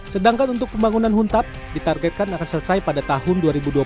sedangkan untuk pembangunan huntap ditargetkan akan selesai pada tahun dua ribu dua puluh